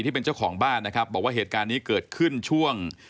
ที่เป็นเจ้าของบ้านนะครับบอกว่าเหตุการณ์นี้เกิดขึ้นช่วง